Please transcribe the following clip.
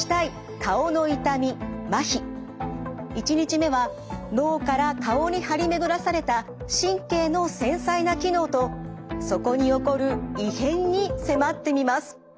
１日目は脳から顔に張り巡らされた神経の繊細な機能とそこに起こる異変に迫ってみます。